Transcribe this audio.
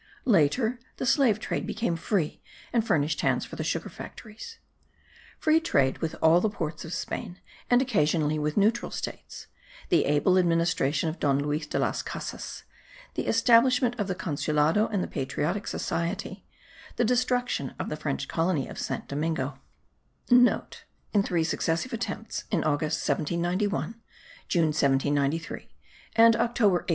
later the slave trade became free and furnished hands for the sugar factories. Free trade with all the ports of Spain and occasionally with neutral states, the able administration of Don Luis de Las Casas, the establishment of the Consulado and the Patriotic Society, the destruction of the French colony of Saint Domingo,* (* In three successive attempts, in August 1791, June 1793, and October 1803.